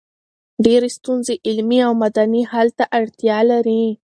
ډېری ټولنیزې ستونزې علمي او مدني حل ته اړتیا لري.